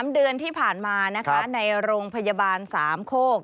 ๓เดือนที่ผ่านมานะคะในโรงพยาบาลสามโคก